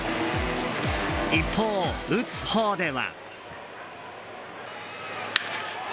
一方、打つほうでは。